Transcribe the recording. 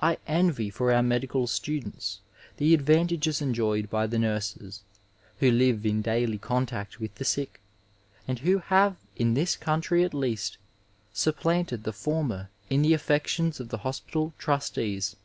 I envy for our medical students the advantages enjoyed by the nurses, who live in daily contact with the sick, and who have, in this country at least, supplanted the former in the affections of the hospital trustees.